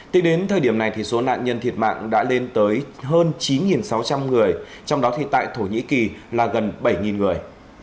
tính đến thời điểm này thì số nạn nhân thiệt mạng đã lên tới hơn chín sáu trăm linh người trong đó thì tại thổ nhĩ kỳ là gần bảy người